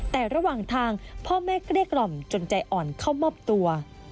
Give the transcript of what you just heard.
แต่ระหว่างทางพ่อแม่เกลี้ยกล่อมจนใจอ่อนเข้ามอบตัว